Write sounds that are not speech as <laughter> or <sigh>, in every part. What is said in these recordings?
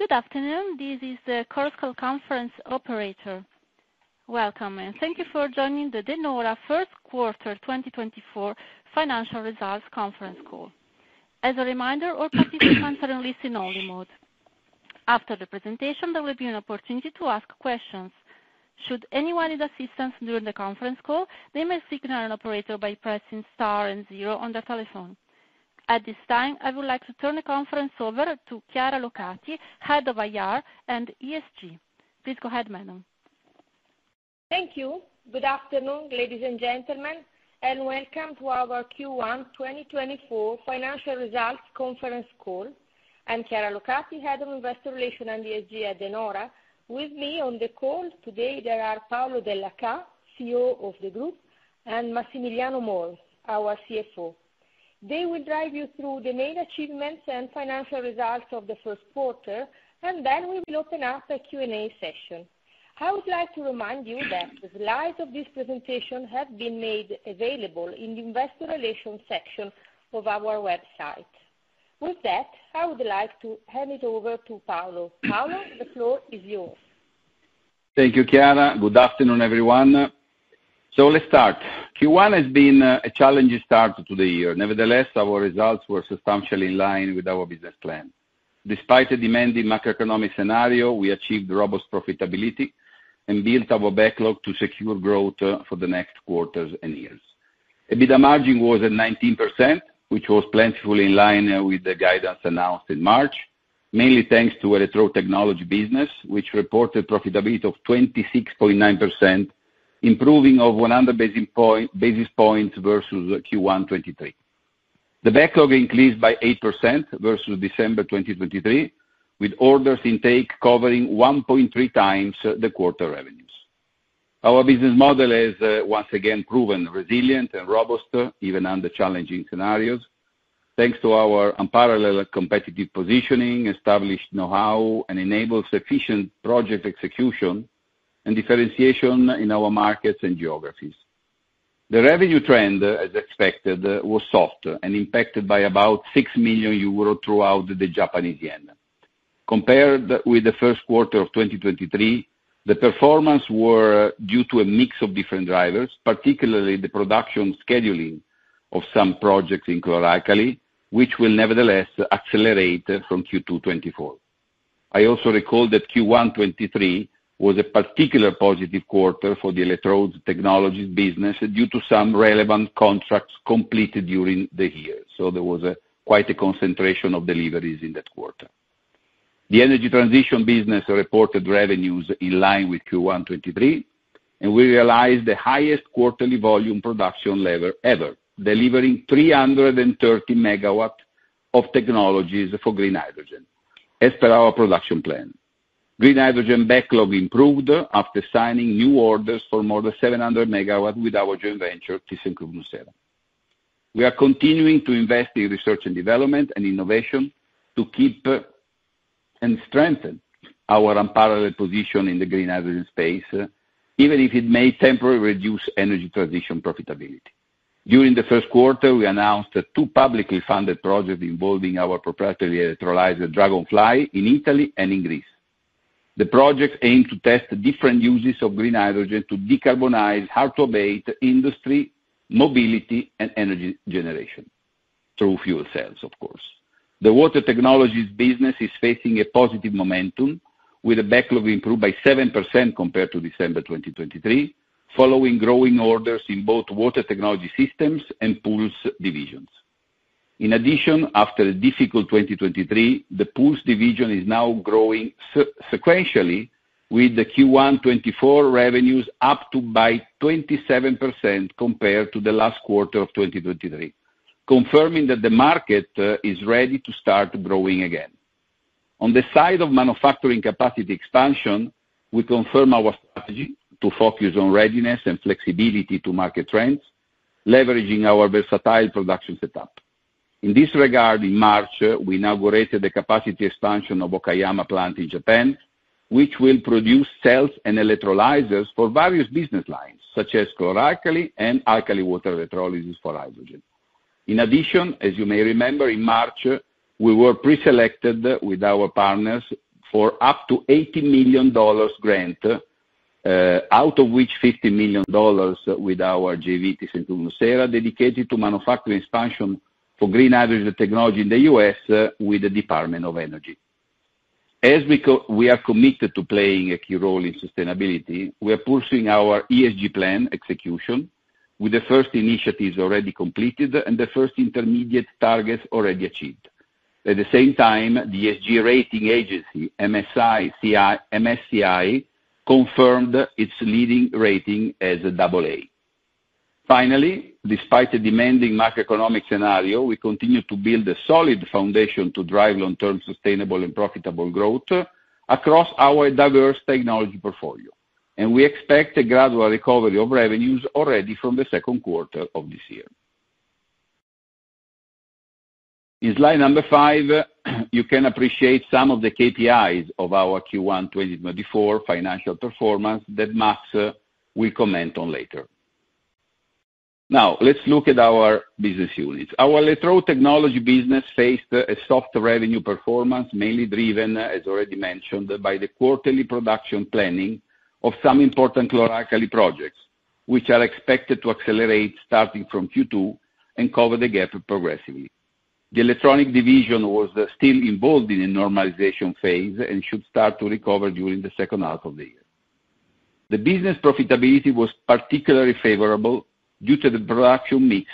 Good afternoon. This is the conference operator. Welcome, and thank you for joining the De Nora First Quarter 2024 Financial Results Conference Call. As a reminder, all participants are in listen-only mode. After the presentation, there will be an opportunity to ask questions. Should anyone need assistance during the conference call, they may signal an operator by pressing star and zero on their telephone. At this time, I would like to turn the conference over to Chiara Locati, Head of IR and ESG. Please go ahead, Madam. Thank you. Good afternoon, ladies and gentlemen, and welcome to our Q1 2024 Financial Results Conference Call. I'm Chiara Locati, Head of Investor Relations and ESG at De Nora. With me on the call today there are Paolo Dellachà, CEO of the group, and Massimiliano Moi, our CFO. They will drive you through the main achievements and financial results of the first quarter, and then we will open up a Q&A session. I would like to remind you that the slides of this presentation have been made available in the Investor Relations section of our website. With that, I would like to hand it over to Paolo. Paolo, the floor is yours. Thank you, Chiara. Good afternoon, everyone. So let's start. Q1 has been a challenging start to the year. Nevertheless, our results were substantially in line with our business plan. Despite a demanding macroeconomic scenario, we achieved robust profitability and built our backlog to secure growth for the next quarters and years. EBITDA margin was at 19%, which was plentifully in line with the guidance announced in March, mainly thanks to Electrode Technologies business, which reported profitability of 26.9%, improving of 100 basis points versus Q1 2023. The backlog increased by 8% versus December 2023, with orders intake covering 1.3 times the quarter revenues. Our business model has, once again, proven resilient and robust even under challenging scenarios. Thanks to our unparalleled competitive positioning, established know-how, and enabled sufficient project execution and differentiation in our markets and geographies. The revenue trend, as expected, was soft and impacted by about 6 million euro throughout the Japanese yen. Compared with the first quarter of 2023, the performances were due to a mix of different drivers, particularly the production scheduling of some projects in chlor-alkali, which will nevertheless accelerate from Q2 2024. I also recall that Q1 2023 was a particularly positive quarter for the Electrode Technologies business due to some relevant contracts completed during the year, so there was quite a concentration of deliveries in that quarter. The energy transition business reported revenues in line with Q1 2023, and we realized the highest quarterly volume production level ever, delivering 330 MW of technologies for green hydrogen, as per our production plan. Green hydrogen backlog improved after signing new orders for more than 700 MW with our joint venture, thyssenkrupp nucera. We are continuing to invest in research and development and innovation to keep and strengthen our unparalleled position in the green hydrogen space, even if it may temporarily reduce energy transition profitability. During the first quarter, we announced 2 publicly funded projects involving our proprietary electrolyzer, Dragonfly, in Italy and in Greece. The projects aim to test different uses of green hydrogen to decarbonize, hard-to-abate industry, mobility, and energy generation through fuel cells, of course. The water technologies business is facing a positive momentum, with the backlog improved by 7% compared to December 2023, following growing orders in both water technology systems and pools divisions. In addition, after a difficult 2023, the pools division is now growing sequentially, with Q1 2024 revenues up by 27% compared to the last quarter of 2023, confirming that the market is ready to start growing again. On the side of manufacturing capacity expansion, we confirm our strategy to focus on readiness and flexibility to market trends, leveraging our versatile production setup. In this regard, in March, we inaugurated the capacity expansion of Okayama plant in Japan, which will produce cells and electrolyzers for various business lines, such as chlor-alkali and alkaline water electrolysis for hydrogen. In addition, as you may remember, in March, we were preselected with our partners for up to $80 million grant, out of which $50 million with our JV thyssenkrupp nucera dedicated to manufacturing expansion for green hydrogen technology in the U.S. with the Department of Energy. As we are committed to playing a key role in sustainability, we are pursuing our ESG plan execution, with the first initiatives already completed and the first intermediate targets already achieved. At the same time, the ESG Rating Agency, MSCI, confirmed its leading rating as AA. Finally, despite a demanding macroeconomic scenario, we continue to build a solid foundation to drive long-term sustainable and profitable growth across our diverse technology portfolio, and we expect a gradual recovery of revenues already from the second quarter of this year. In slide number five, you can appreciate some of the KPIs of our Q1 2024 financial performance that Max will comment on later. Now, let's look at our business units. Our Electrode Technologies business faced a soft revenue performance, mainly driven, as already mentioned, by the quarterly production planning of some important chlor-alkali projects, which are expected to accelerate starting from Q2 and cover the gap progressively. The electronic division was still involved in a normalization phase and should start to recover during the second half of the year. The business profitability was particularly favorable due to the production mix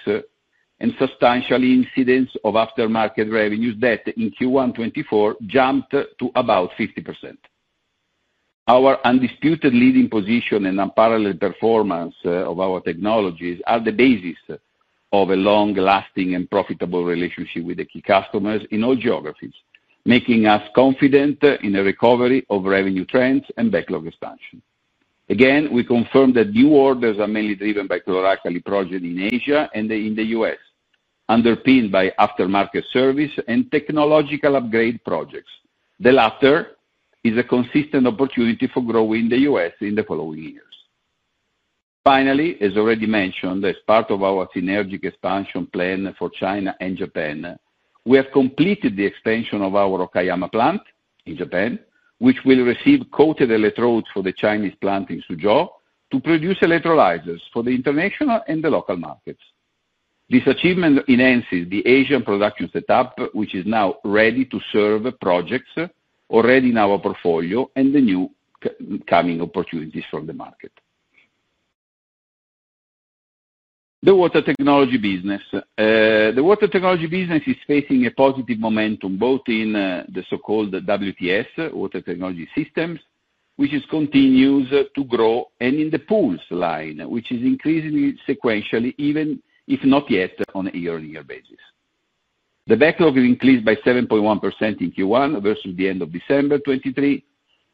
and substantial incidence of aftermarket revenues that, in Q1 2024, jumped to about 50%. Our undisputed leading position and unparalleled performance of our technologies are the basis of a long-lasting and profitable relationship with the key customers in all geographies, making us confident in a recovery of revenue trends and backlog expansion. Again, we confirm that new orders are mainly driven by chlor-alkali projects in Asia and in the US, underpinned by aftermarket service and technological upgrade projects. The latter is a consistent opportunity for growth in the US in the following years. Finally, as already mentioned, as part of our synergic expansion plan for China and Japan, we have completed the expansion of our Okayama Plant in Japan, which will receive coated electrodes for the Chinese plant in Suzhou to produce electrolyzers for the international and the local markets. This achievement enhances the Asian production setup, which is now ready to serve projects already in our portfolio and the new coming opportunities from the market. The water technology business is facing a positive momentum both in the so-called WTS, water technology systems, which continues to grow, and in the pools line, which is increasing sequentially, even if not yet on a year-on-year basis. The backlog increased by 7.1% in Q1 versus the end of December 2023,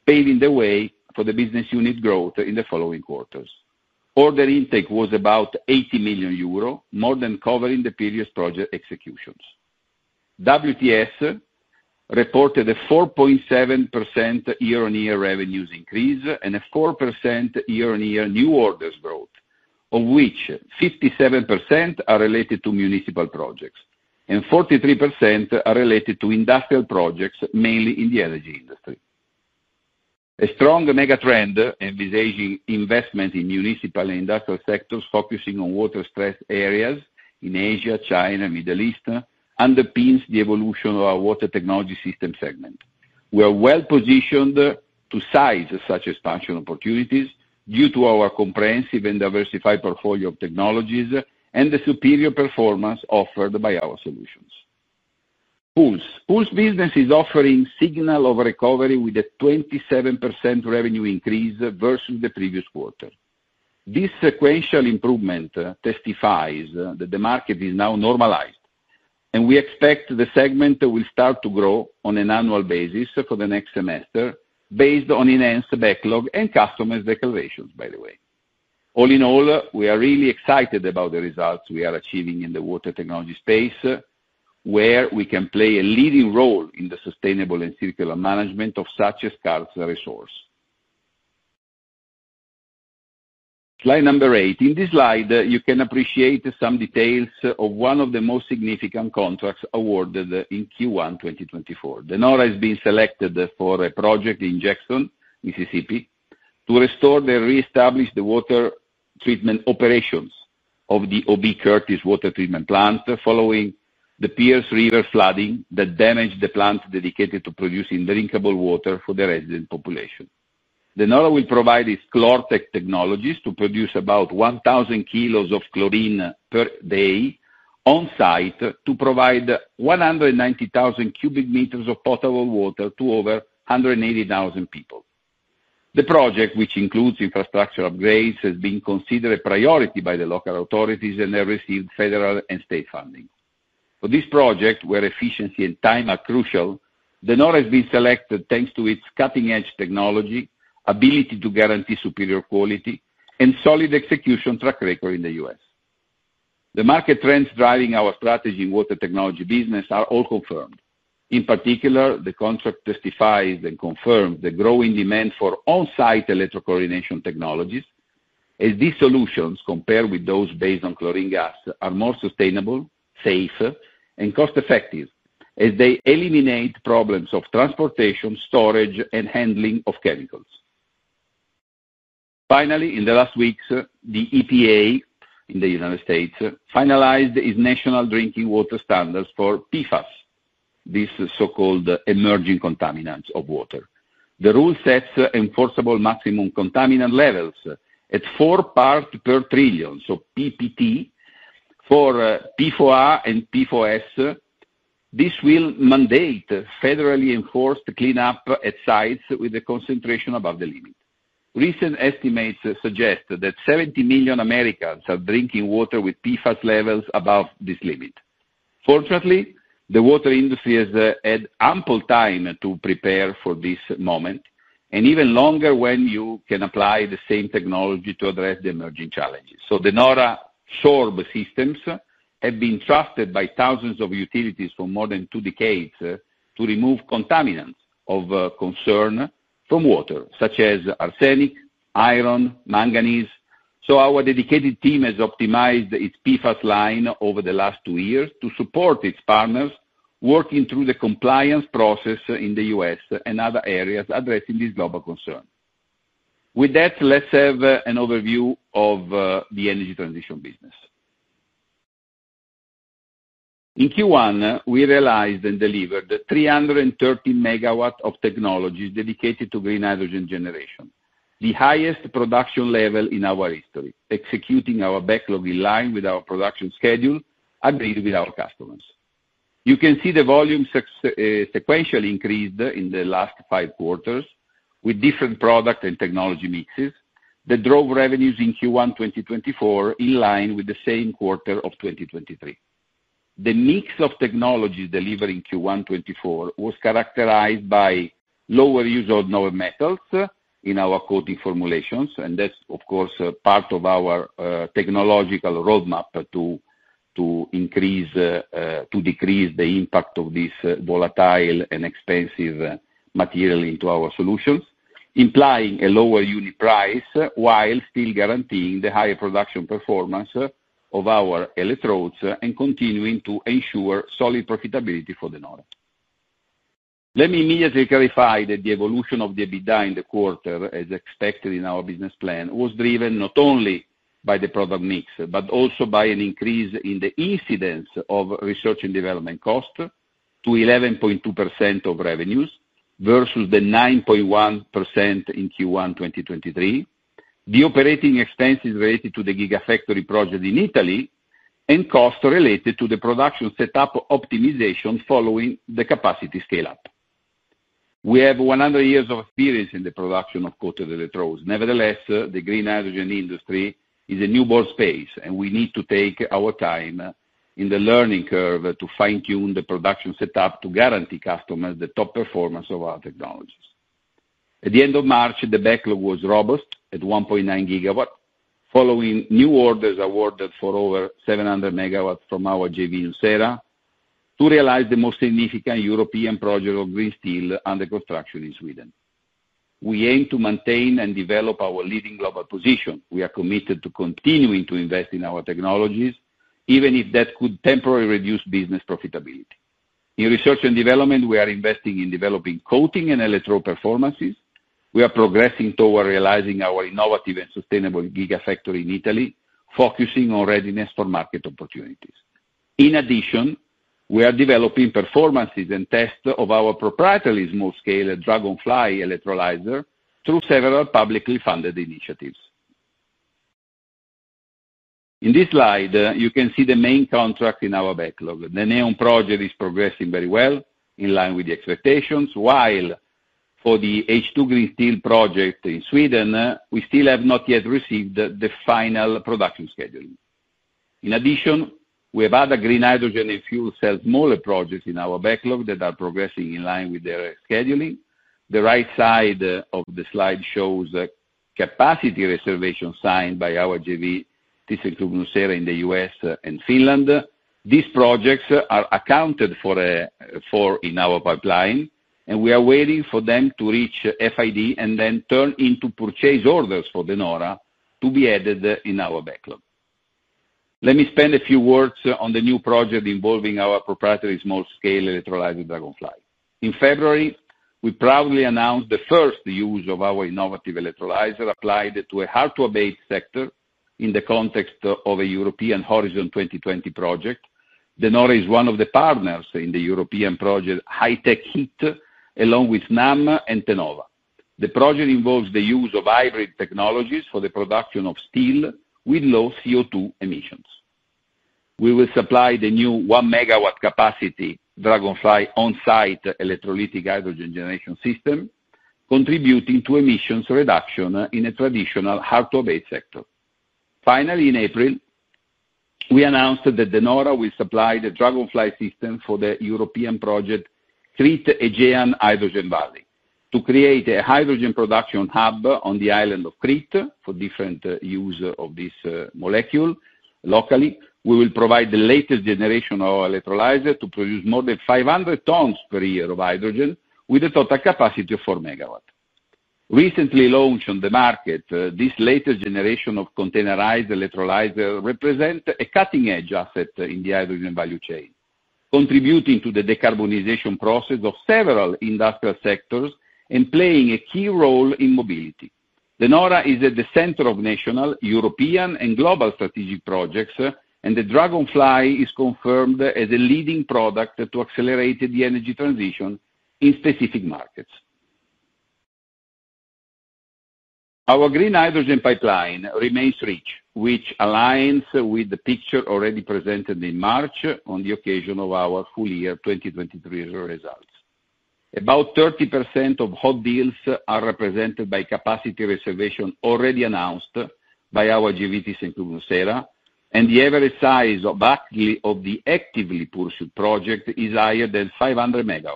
paving the way for the business unit growth in the following quarters. Order intake was about 80 million euro, more than covering the previous project executions. WTS reported a 4.7% year-over-year revenues increase and a 4% year-over-year new orders growth, of which 57% are related to municipal projects and 43% are related to industrial projects, mainly in the energy industry. A strong megatrend envisaging investment in municipal and industrial sectors focusing on water-stressed areas in Asia, China, and the Middle East underpins the evolution of our water technology system segment. We are well-positioned to size such expansion opportunities due to our comprehensive and diversified portfolio of technologies and the superior performance offered by our solutions. Pools business is offering signals of recovery with a 27% revenue increase versus the previous quarter. This sequential improvement testifies that the market is now normalized, and we expect the segment will start to grow on an annual basis for the next semester based on enhanced backlog and customers' declarations, by the way. All in all, we are really excited about the results we are achieving in the water technology space, where we can play a leading role in the sustainable and circular management of such a scarce resource. Slide number 8. In this slide, you can appreciate some details of one of the most significant contracts awarded in Q1 2024. De Nora has been selected for a project in Jackson, Mississippi, to restore the reestablished water treatment operations of the OB Curtis Water Treatment Plant following the Pearl River flooding that damaged the plant dedicated to producing drinkable water for the resident population. De Nora will provide its ClorTec technologies to produce about 1,000 kilos of chlorine per day on-site to provide 190,000 cubic meters of potable water to over 180,000 people. The project, which includes infrastructure upgrades, has been considered a priority by the local authorities and has received federal and state funding. For this project, where efficiency and time are crucial, De Nora has been selected thanks to its cutting-edge technology, ability to guarantee superior quality, and solid execution track record in the U.S. The market trends driving our strategy in water technology business are all confirmed. In particular, the contract testifies and confirms the growing demand for on-site electrochlorination technologies, as these solutions, compared with those based on chlorine gas, are more sustainable, safer, and cost-effective, as they eliminate problems of transportation, storage, and handling of chemicals. Finally, in the last weeks, the EPA in the United States finalized its national drinking water standards for PFAS, these so-called emerging contaminants of water. The rule sets enforceable maximum contaminant levels at 4 parts per trillion, so PPT, for PFOA and PFOS. This will mandate federally enforced cleanup at sites with a concentration above the limit. Recent estimates suggest that 70 million Americans are drinking water with PFAS levels above this limit. Fortunately, the water industry has had ample time to prepare for this moment and even longer when you can apply the same technology to address the emerging challenges. So De Nora SORB systems have been trusted by thousands of utilities for more than two decades to remove contaminants of concern from water, such as arsenic, iron, manganese. So our dedicated team has optimized its PFAS line over the last two years to support its partners working through the compliance process in the U.S. and other areas addressing these global concerns. With that, let's have an overview of the energy transition business. In Q1, we realized and delivered 330 MW of technologies dedicated to green hydrogen generation, the highest production level in our history, executing our backlog in line with our production schedule agreed with our customers. You can see the volume sequentially increased in the last five quarters with different product and technology mixes that drove revenues in Q1 2024 in line with the same quarter of 2023. The mix of technologies delivered in Q1 2024 was characterized by lower use of nonmetals in our coating formulations, and that's, of course, part of our technological roadmap to decrease the impact of this volatile and expensive material into our solutions, implying a lower unit price while still guaranteeing the higher production performance of our electrodes and continuing to ensure solid profitability for De Nora. Let me immediately clarify that the evolution of the EBITDA in the quarter, as expected in our business plan, was driven not only by the product mix but also by an increase in the incidence of research and development costs to 11.2% of revenues versus the 9.1% in Q1 2023, the operating expenses related to the Gigafactory project in Italy, and costs related to the production setup optimization following the capacity scale-up. We have 100 years of experience in the production of coated electrodes. Nevertheless, the green hydrogen industry is a newborn space, and we need to take our time in the learning curve to fine-tune the production setup to guarantee customers the top performance of our technologies. At the end of March, the backlog was robust at 1.9 GW, following new orders awarded for over 700 MW from our JV nucera to realize the most significant European project of green steel under construction in Sweden. We aim to maintain and develop our leading global position. We are committed to continuing to invest in our technologies, even if that could temporarily reduce business profitability. In research and development, we are investing in developing coating and electrode performances. We are progressing toward realizing our innovative and sustainable Gigafactory in Italy, focusing on readiness for market opportunities. In addition, we are developing performances and tests of our proprietary small-scale Dragonfly electrolyzer through several publicly funded initiatives. In this slide, you can see the main contract in our backlog. The NEOM project is progressing very well in line with the expectations, while for the H2 Green Steel project in Sweden, we still have not yet received the final production scheduling. In addition, we have other green hydrogen and fuel cell smaller projects in our backlog that are progressing in line with their scheduling. The right side of the slide shows capacity reservations signed by our JV thyssenkrupp nucera in the U.S. and Finland. These projects are accounted for in our pipeline, and we are waiting for them to reach FID and then turn into purchase orders for De Nora to be added in our backlog. Let me spend a few words on the new project involving our proprietary small-scale electrolyzer Dragonfly. In February, we proudly announced the first use of our innovative electrolyzer applied to a hard-to-abate sector in the context of a European Horizon 2020 project. De Nora is one of the partners in the European project HyTecHeat, along with Snam and Tenova. The project involves the use of hybrid technologies for the production of steel with low CO2 emissions. We will supply the new 1 MW capacity Dragonfly on-site electrolytic hydrogen generation system, contributing to emissions reduction in a traditional hard-to-abate sector. Finally, in April, we announced that De Nora will supply the Dragonfly system for the European project Crete-Aegean Hydrogen Valley to create a hydrogen production hub on the island of Crete for different uses of this molecule. Locally, we will provide the latest generation of our electrolyzer to produce more than 500 tons per year of hydrogen with a total capacity of 4 MW. Recently launched on the market, this latest generation of containerized electrolyzer represents a cutting-edge asset in the hydrogen value chain, contributing to the decarbonization process of several industrial sectors and playing a key role in mobility. De Nora is at the center of national, European, and global strategic projects, and the Dragonfly is confirmed as a leading product to accelerate the energy transition in specific markets. Our green hydrogen pipeline remains rich, which aligns with the picture already presented in March on the occasion of our full-year 2023 results. About 30% of hot deals are represented by capacity reservations already announced by our JV thyssenkrupp nucera, and the average size of the actively pursued project is higher than 500 MW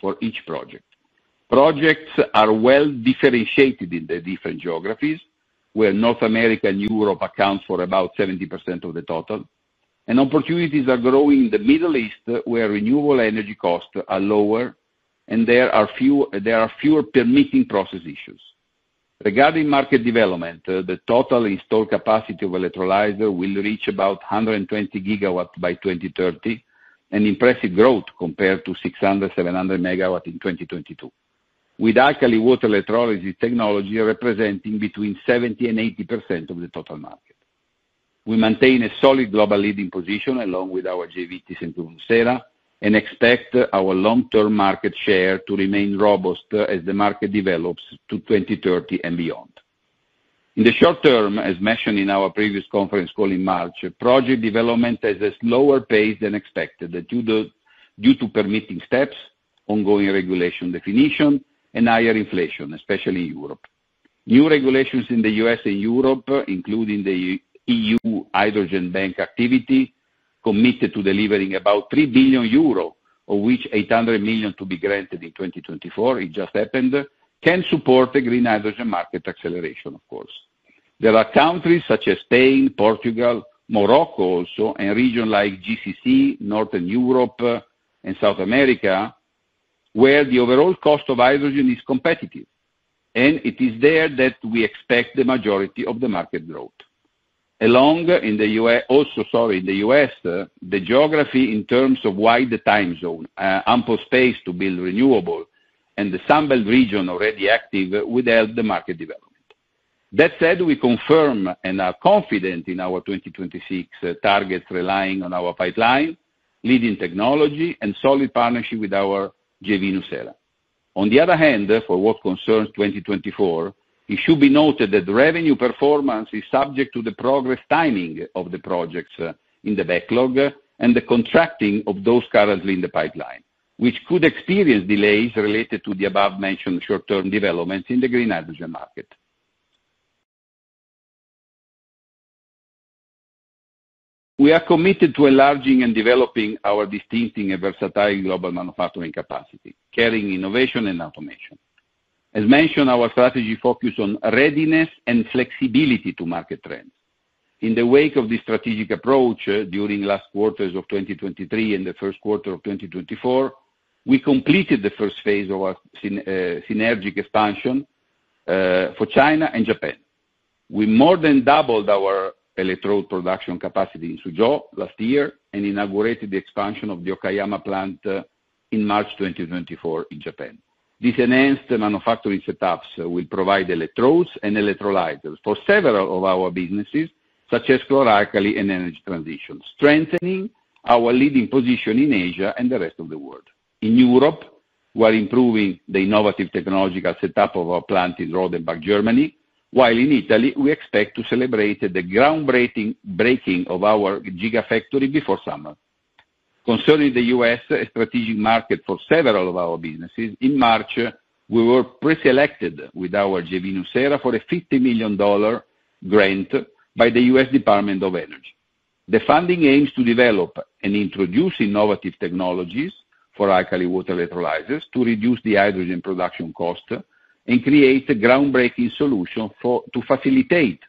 for each project. Projects are well differentiated in the different geographies, where North America and Europe account for about 70% of the total, and opportunities are growing in the Middle East, where renewable energy costs are lower and there are fewer permitting process issues. Regarding market development, the total installed capacity of electrolyzer will reach about 120 GW by 2030, an impressive growth compared to 600-700 MW in 2022, with alkaline water electrolysis technology representing between 70%-80% of the total market. We maintain a solid global leading position along with our JV thyssenkrupp nucera and expect our long-term market share to remain robust as the market develops to 2030 and beyond. In the short term, as mentioned in our previous conference call in March, project development has a slower pace than expected due to permitting steps, ongoing regulation definition, and higher inflation, especially in Europe. New regulations in the U.S. and Europe, including the EU Hydrogen Bank activity committed to delivering about 3 billion euros, of which 800 million to be granted in 2024, it just happened, can support a green hydrogen market acceleration, of course. There are countries such as Spain, Portugal, Morocco also, and regions like GCC, Northern Europe, and South America, where the overall cost of hydrogen is competitive, and it is there that we expect the majority of the market growth. Along in the U.S., the geography in terms of wide time zone, ample space to build renewable, and the assembled region already active would help the market development. That said, we confirm and are confident in our 2026 targets relying on our pipeline, leading technology, and solid partnership with our JV nucera. On the other hand, for what concerns 2024, it should be noted that revenue performance is subject to the progress timing of the projects in the backlog and the contracting of those currently in the pipeline, which could experience delays related to the above-mentioned short-term developments in the green hydrogen market. We are committed to enlarging and developing our distinctive and versatile global manufacturing capacity, carrying innovation and automation. As mentioned, our strategy focuses on readiness and flexibility to market trends. In the wake of this strategic approach during last quarters of 2023 and the first quarter of 2024, we completed the first phase of our synergic expansion for China and Japan. We more than doubled our electrode production capacity in Suzhou last year and inaugurated the expansion of the Okayama plant in March 2024 in Japan. These enhanced manufacturing setups will provide electrodes and electrolyzers for several of our businesses, such as chlor-alkali and energy transition, strengthening our leading position in Asia and the rest of the world. In Europe, we are improving the innovative technological setup of our plant in Rodenbach, Germany, while in Italy, we expect to celebrate the groundbreaking of our Gigafactory before summer. Concerning the US, a strategic market for several of our businesses, in March, we were preselected with our JV nucera for a $50 million grant by the US Department of Energy. The funding aims to develop and introduce innovative technologies for alkaline water electrolyzers to reduce the hydrogen production cost and create a groundbreaking solution to facilitate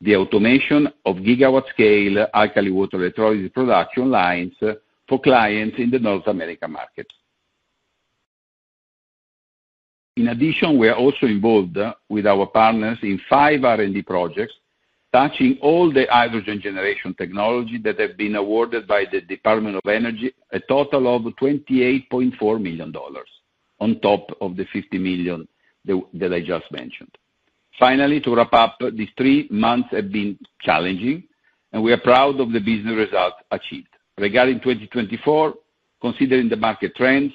the automation of gigawatt-scale alkaline water electrolysis production lines for clients in the North American market. In addition, we are also involved with our partners in five R&D projects touching all the hydrogen generation technology that have been awarded by the Department of Energy, a total of $28.4 million on top of the $50 million that I just mentioned. Finally, to wrap up, these three months have been challenging, and we are proud of the business results achieved. Regarding 2024, considering the market trends,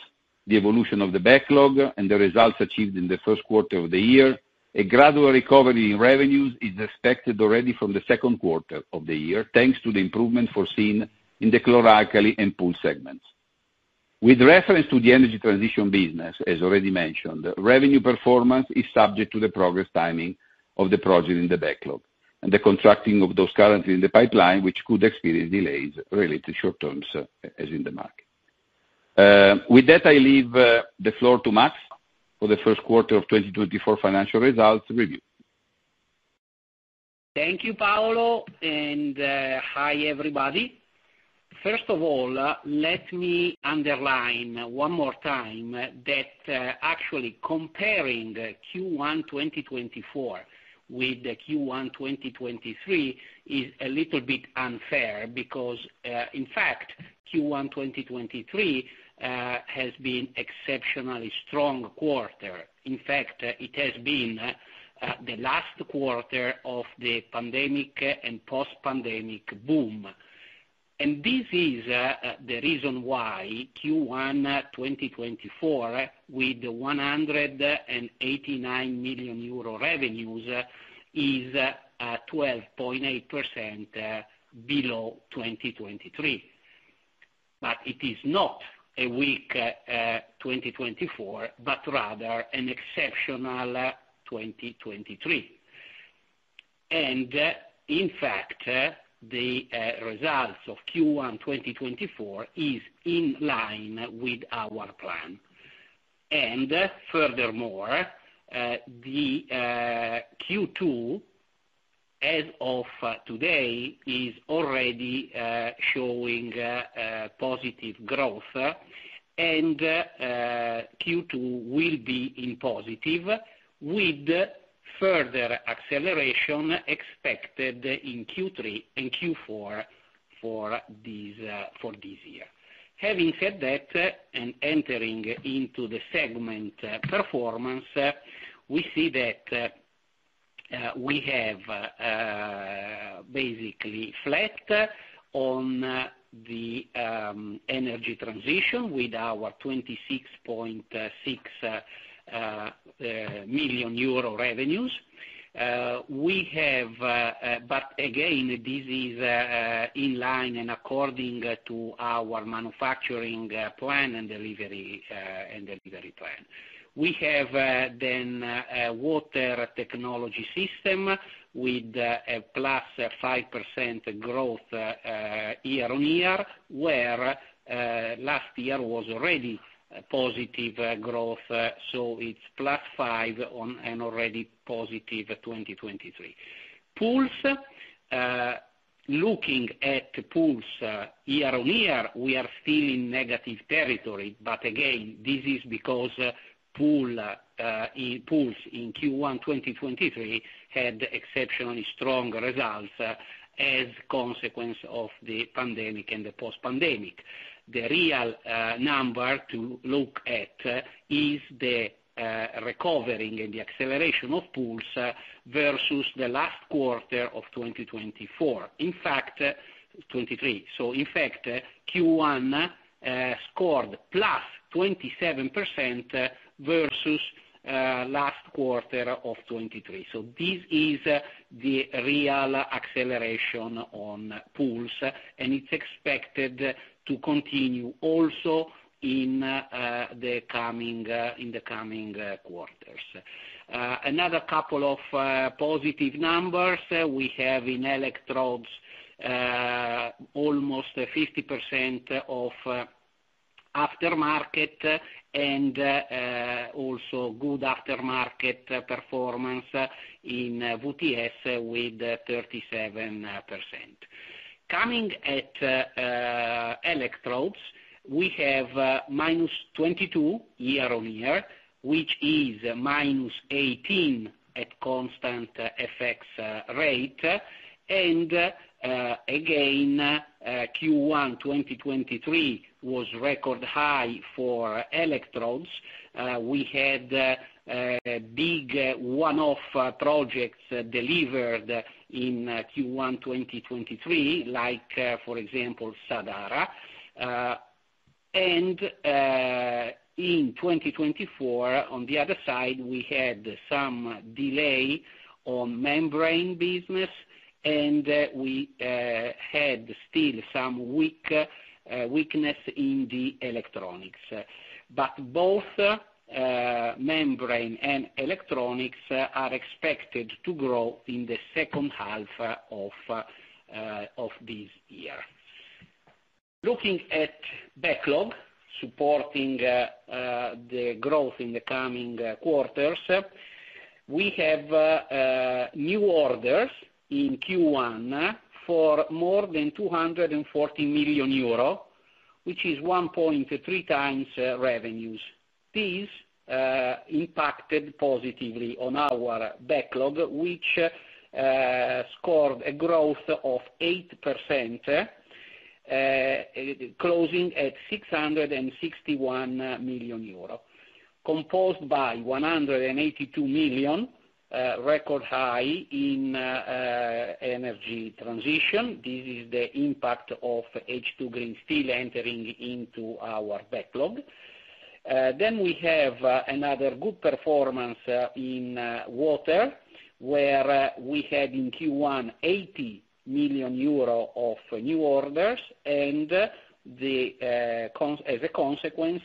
the evolution of the backlog, and the results achieved in the first quarter of the year, a gradual recovery in revenues is expected already from the second quarter of the year, thanks to the improvement foreseen in the chlor-alkali and pool segments. With reference to the energy transition business, as already mentioned, revenue performance is subject to the progress timing of the project in the backlog and the contracting of those currently in the pipeline, which could experience delays related to short-terms as in the market. With that, I leave the floor to Max for the first quarter of 2024 financial results review. Thank you, Paolo, and hi everybody. First of all, let me underline one more time that actually comparing Q1 2024 with Q1 2023 is a little bit unfair because, in fact, Q1 2023 has been an exceptionally strong quarter. In fact, it has been the last quarter of the pandemic and post-pandemic boom. And this is the reason why Q1 2024, with 189 million euro revenues, is 12.8% below 2023. But it is not a weak 2024, but rather an exceptional 2023. In fact, the results of Q1 2024 are in line with our plan. Furthermore, Q2, as of today, is already showing positive growth, and Q2 will be in positive with further acceleration expected in Q3 and Q4 for this year. Having said that and entering into the segment performance, we see that we have basically flat on the energy transition with our 26.6 million euro revenues. But again, this is in line and according to our manufacturing plan and delivery plan. We have then a water technology system with +5% growth year-on-year, where last year was already positive growth, so it's +5% and already positive 2023. Looking at pools year-on-year, we are still in negative territory, but again, this is because pools in Q1 2023 had exceptionally strong results as a consequence of the pandemic and the post-pandemic. The real number to look at is the recovering and the acceleration of pools versus the last quarter of 2023. So in fact, Q1 scored +27% versus last quarter of 2023. So this is the real acceleration on pools, and it's expected to continue also in the coming quarters. Another couple of positive numbers we have in electrodes: almost 50% of aftermarket and also good aftermarket performance in WTS with 37%. Coming at electrodes, we have -22% year on year, which is -18% at constant FX rate. And again, Q1 2023 was a record high for electrodes. We had big one-off projects delivered in Q1 2023, like for example, Sadara. And in 2024, on the other side, we had some delay on membrane business, and we had still some weakness in the electronics. But both membrane and electronics are expected to grow in the second half of this year. Looking at backlog supporting the growth in the coming quarters, we have new orders in Q1 for more than 240 million euro, which is 1.3 times revenues. These impacted positively on our backlog, which scored a growth of 8%, closing at 661 million euro, composed by 182 million, record high in energy transition. This is the impact of H2 Green Steel entering into our backlog. Then we have another good performance in water, where we had in Q1 80 million euro of new orders, and as a consequence,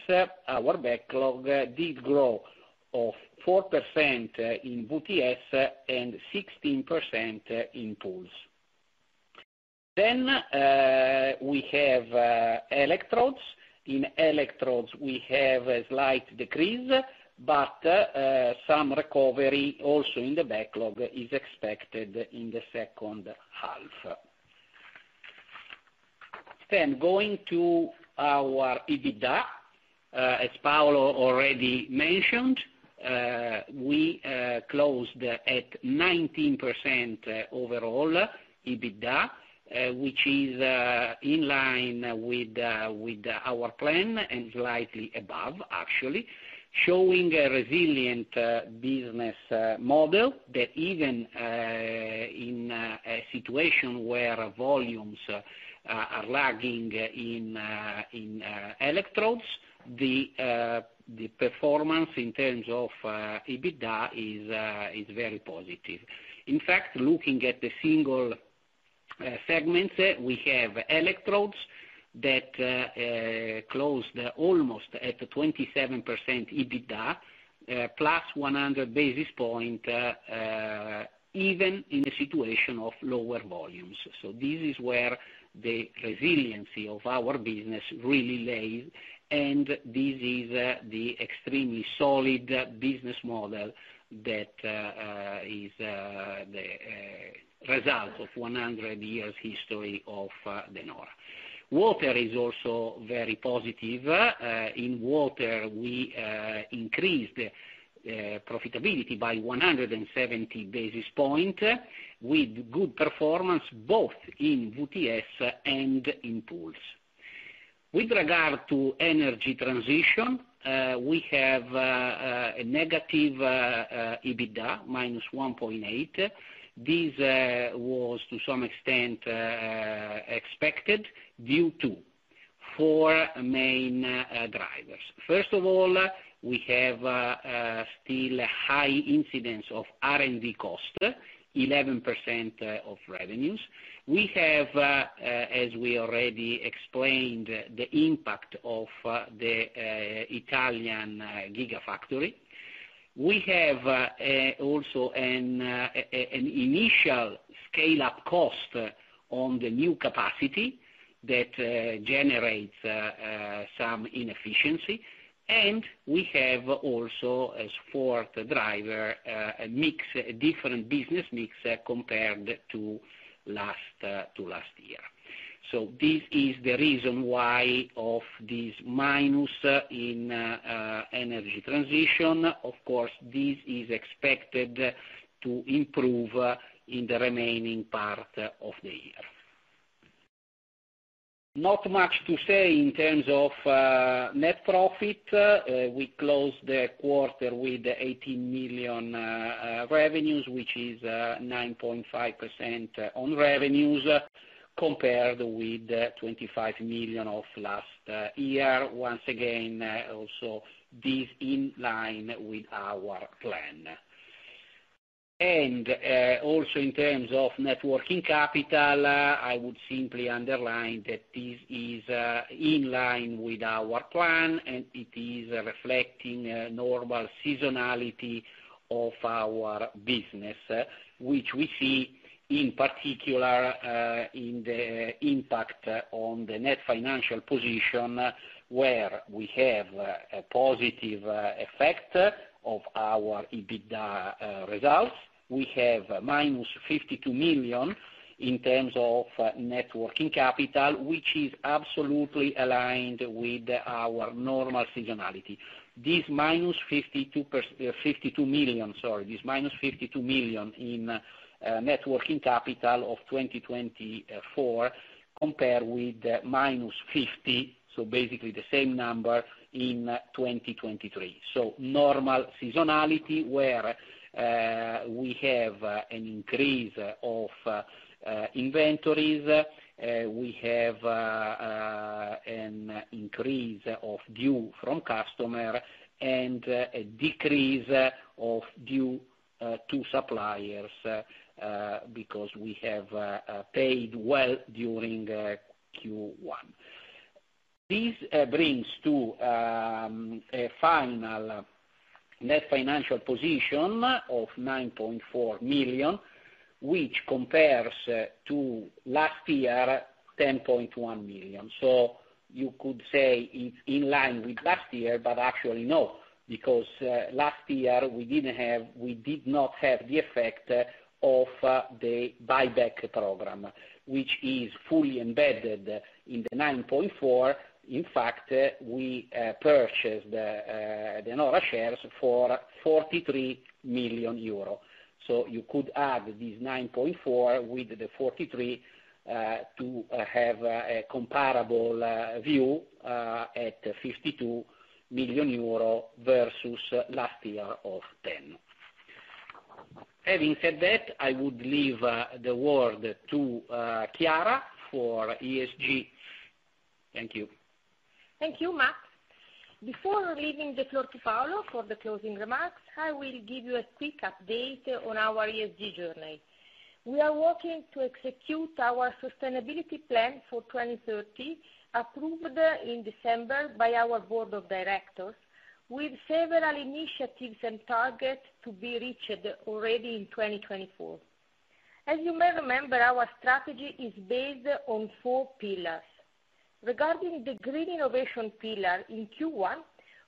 our backlog did grow of 4% in WTS and 16% in pools. Then we have electrodes. In electrodes, we have a slight decrease, but some recovery also in the backlog is expected in the second half. Going to our EBITDA, as Paolo already mentioned, we closed at 19% overall EBITDA, which is in line with our plan and slightly above, actually, showing a resilient business model that even in a situation where volumes are lagging in electrodes, the performance in terms of EBITDA is very positive. In fact, looking at the single segments, we have electrodes that closed almost at 27% EBITDA, plus 100 basis points even in a situation of lower volumes. So this is where the resiliency of our business really lies, and this is the extremely solid business model that is the result of 100 years' history of De Nora. Water is also very positive. In water, we increased profitability by 170 basis points with good performance both in WTS and in pools. With regard to energy transition, we have a negative EBITDA, -1.8%. This was to some extent expected due to 4 main drivers. First of all, we have still a high incidence of R&D cost, 11% of revenues. We have, as we already explained, the impact of the Italian Gigafactory. We have also an initial scale-up cost on the new capacity that generates some inefficiency, and we have also, as fourth driver, a mixed different business mix compared to last year. So this is the reason why of this minus in energy transition. Of course, this is expected to improve in the remaining part of the year. Not much to say in terms of net profit. We closed the quarter with 18 million revenues, which is 9.5% on revenues compared with 25 million of last year. Once again, also this is in line with our plan. Also in terms of net working capital, I would simply underline that this is in line with our plan, and it is reflecting normal seasonality of our business, which we see in particular in the impact on the net financial position, where we have a positive effect of our EBITDA results. We have -52 million in terms of net working capital, which is absolutely aligned with our normal seasonality. This -52 million in net working capital of 2024 compares with minus 50, so basically the same number in 2023. So normal seasonality, where we have an increase of inventories, we have an increase of due from customers, and a decrease of due to suppliers because we have paid well during Q1. This brings to a final net financial position of 9.4 million, which compares to last year's 10.1 million. So you could say it's in line with last year, but actually no, because last year we did not have the effect of the buyback program, which is fully embedded in the 9.4. In fact, we purchased De Nora shares for 43 million euro. So you could add this 9.4 with the 43 to have a comparable view at 52 million euro versus last year of 10. Having said that, I would leave the word to Chiara for ESG. Thank you. Thank you, Max. Before leaving the floor to Paolo for the closing remarks, I will give you a quick update on our ESG journey. We are working to execute our sustainability plan for 2030, approved in December by our board of directors with several initiatives and targets to be reached already in 2024. As you may remember, our strategy is based on four pillars. Regarding the green innovation pillar in Q1,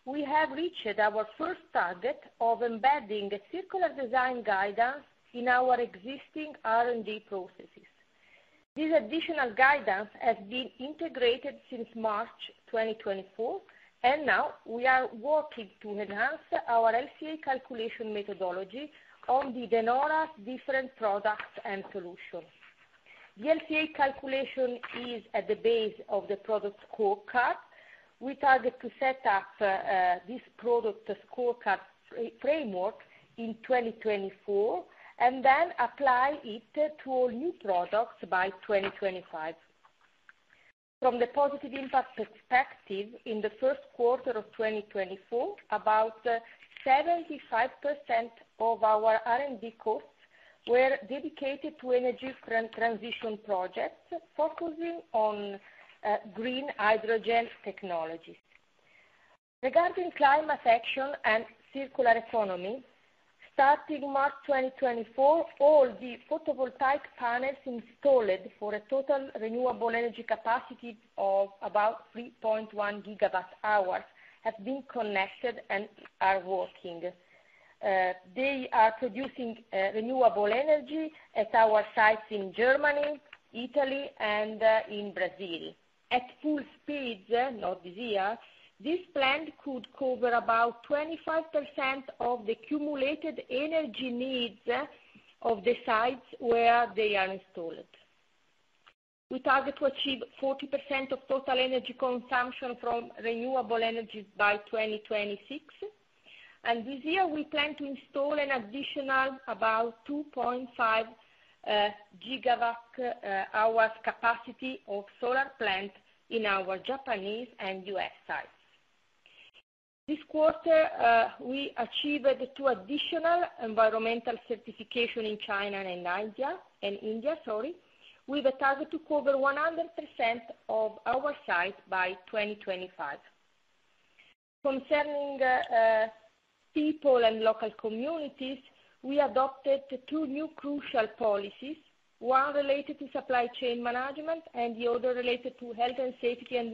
we have reached our first target of embedding circular design guidance in our existing R&D processes. This additional guidance has been integrated since March 2024, and now we are working to enhance our LCA calculation methodology on De Nora's different products and solutions. The LCA calculation is at the base of the product scorecard. We target to set up this product scorecard framework in 2024 and then apply it to all new products by 2025. From the positive impact perspective, in the first quarter of 2024, about 75% of our R&D costs were dedicated to energy transition projects focusing on green hydrogen technologies. Regarding climate action and circular economy, starting March 2024, all the photovoltaic panels installed for a total renewable energy capacity of about 3.1 GWh have been connected and are working. They are producing renewable energy at our sites in Germany, Italy, and in Brazil. At full speeds not this year, this plan could cover about 25% of the cumulated energy needs of the sites where they are installed. We target to achieve 40% of total energy consumption from renewable energies by 2026, and this year we plan to install an additional about 2.5 gigawatt-hours capacity of solar plants in our Japanese and US sites. This quarter, we achieved two additional environmental certifications in China and India, with a target to cover 100% of our sites by 2025. Concerning people and local communities, we adopted two new crucial policies: one related to supply chain management and the other related to health and safety and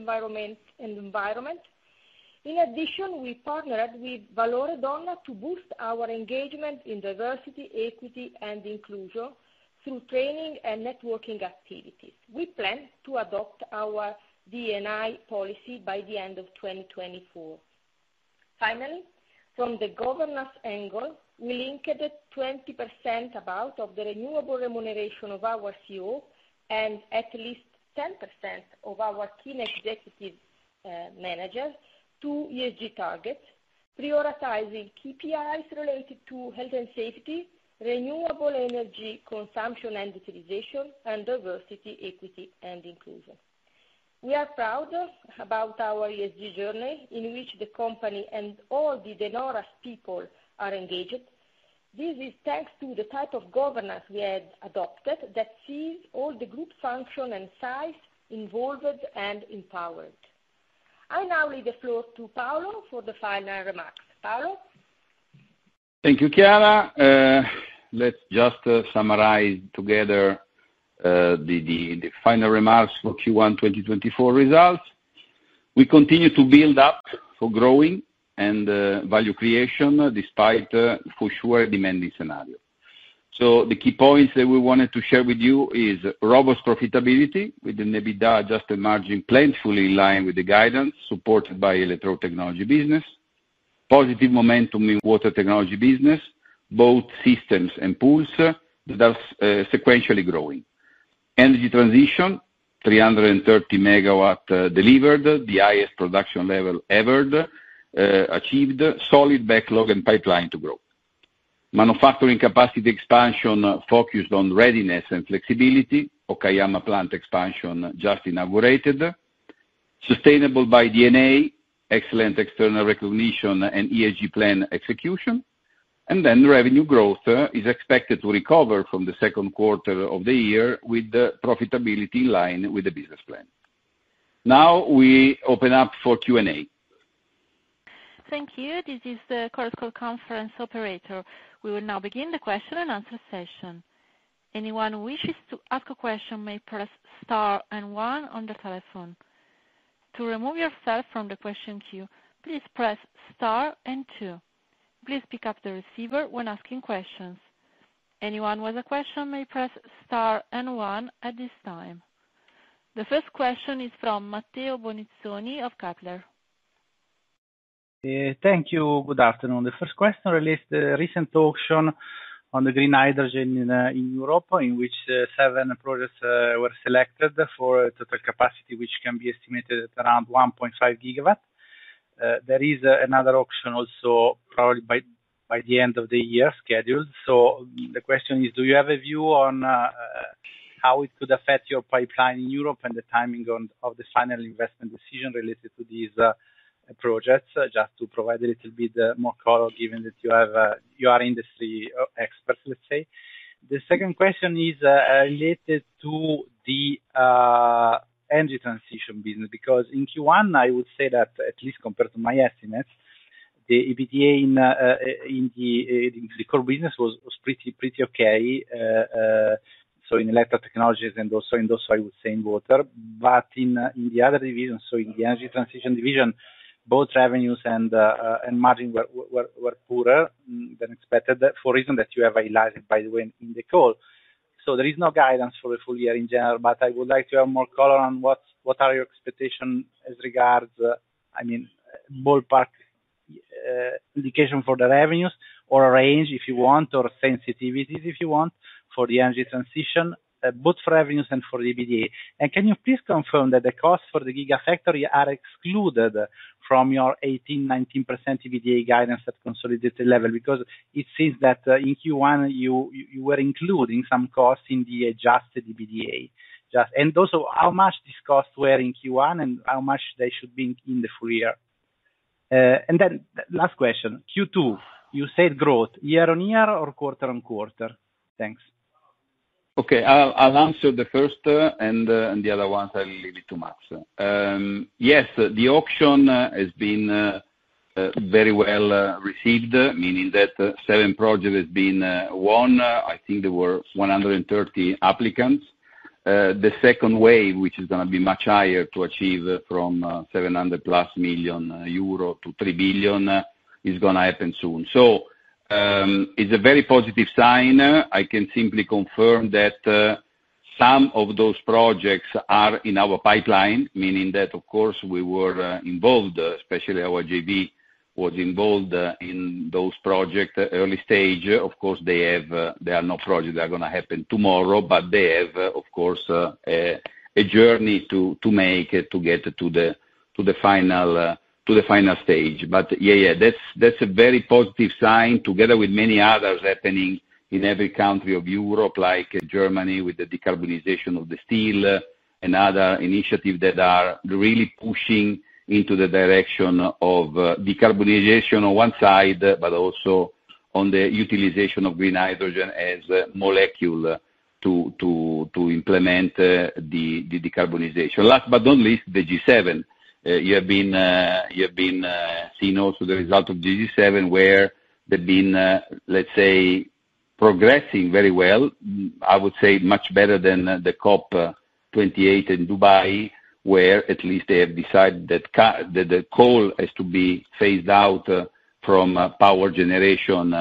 environment. In addition, we partnered with Valore D to boost our engagement in diversity, equity, and inclusion through training and networking activities. We plan to adopt our D&I policy by the end of 2024. Finally, from the governance angle, we linked 20% of the variable remuneration of our CEO and at least 10% of our key executive managers to ESG targets, prioritizing KPIs related to health and safety, renewable energy consumption and utilization, and diversity, equity, and inclusion. We are proud about our ESG journey in which the company and all the De Nora's people are engaged. This is thanks to the type of governance we had adopted that sees all the group functions and sites involved and empowered. I now leave the floor to Paolo for the final remarks. Paolo? Thank you, Chiara. Let's just summarize together the final remarks for Q1 2024 results. We continue to build up for growth and value creation despite the for sure demanding scenario. So the key points that we wanted to share with you are robust profitability with an EBITDA adjusted margin fully in line with the guidance supported by electrode technology business, positive momentum in water technology business, both systems and pools that are sequentially growing, energy transition, 330 MW delivered, the highest production level ever achieved, solid backlog and pipeline to grow, manufacturing capacity expansion focused on readiness and flexibility, Okayama plant expansion just inaugurated, sustainable by D&A, excellent external recognition, and ESG plan execution, and then revenue growth is expected to recover from the second quarter of the year with profitability in line with the business plan. Now we open up for Q&A. Thank you. This is the [call] conference operator. We will now begin the question and answer session. Anyone who wishes to ask a question may press star and one on the telephone. To remove yourself from the question queue, please press star and two. Please pick up the receiver when asking questions. Anyone with a question may press star and one at this time. The first question is from Matteo Bonizzoni of Kepler. Thank you. Good afternoon. The first question relates to the recent auction on the green hydrogen in Europe, in which 7 projects were selected for a total capacity which can be estimated at around 1.5 GW. There is another auction also probably by the end of the year scheduled. So the question is, do you have a view on how it could affect your pipeline in Europe and the timing of the final investment decision related to these projects? Just to provide a little bit more color given that you are industry experts, let's say. The second question is related to the energy transition business because in Q1, I would say that at least compared to my estimates, the EBITDA in the core business was pretty okay. So in electrode technologies and also in those, I would say, in water. But in the other division, so in the energy transition division, both revenues and margin were poorer than expected for reason that you have highlighted, by the way, in the call. So there is no guidance for the full year in general, but I would like to have more color on what are your expectations as regards, I mean, ballpark indication for the revenues or a range if you want or sensitivities if you want for the energy transition, both for revenues and for the EBITDA. Can you please confirm that the costs for the Gigafactory are excluded from your 18%-19% EBITDA guidance at consolidated level? Because it seems that in Q1, you were including some costs in the adjusted EBITDA. And also, how much these costs were in Q1 and how much they should be in the full year? And then last question, Q2. You said growth. Year-on-year or quarter-on-quarter? Thanks. Okay. I'll answer the first, and the other ones I'll leave it to Max. Yes, the auction has been very well received, meaning that 7 projects have been won. I think there were 130 applicants. The second wave, which is going to be much higher to achieve from 700+ million euro to 3 billion, is going to happen soon. So it's a very positive sign. I can simply confirm that some of those projects are in our pipeline, meaning that, of course, we were involved, especially our JV was involved in those projects early stage. Of course, there are no projects that are going to happen tomorrow, but they have, of course, a journey to make to get to the final stage. But yeah, yeah, that's a very positive sign together with many others happening in every country of Europe, like Germany with the decarbonization of the steel and other initiatives that are really pushing into the direction of decarbonization on one side, but also on the utilization of green hydrogen as a molecule to implement the decarbonization. Last but not least, the G7. You have been seen also the result of the G7 where they've been, let's say, progressing very well, I would say much better than the COP 28 in Dubai, where at least they have decided that the coal has to be phased out from power generation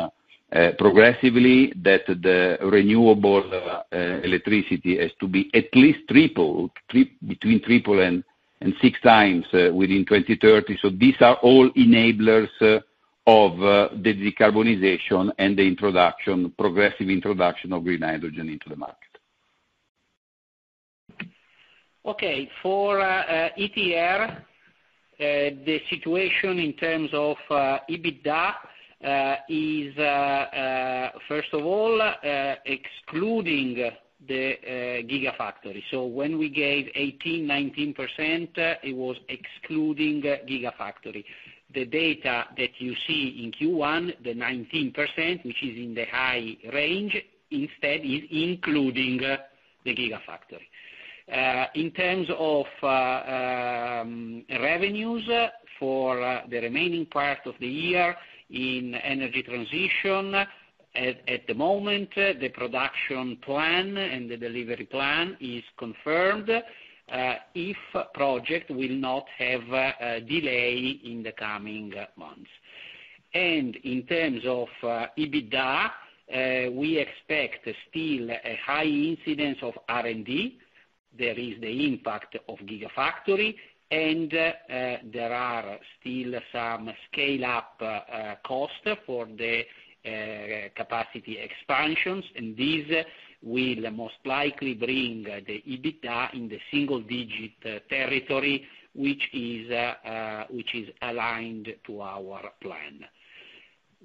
progressively, that the renewable electricity has to be at least tripled, between triple and 6 times within 2030. So these are all enablers of the decarbonization and the progressive introduction of green hydrogen into the market. Okay. For ETR, the situation in terms of EBITDA is, first of all, excluding the Gigafactory. So when we gave 18%-19%, it was excluding Gigafactory. The data that you see in Q1, the 19%, which is in the high range, instead is including the Gigafactory. In terms of revenues for the remaining part of the year in energy transition, at the moment, the production plan and the delivery plan is confirmed if projects will not have delay in the coming months. And in terms of EBITDA, we expect still a high incidence of R&D. There is the impact of Gigafactory, and there are still some scale-up costs for the capacity expansions, and these will most likely bring the EBITDA in the single-digit territory, which is aligned to our plan.